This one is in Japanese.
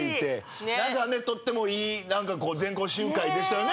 とってもいい全校集会でしたよね。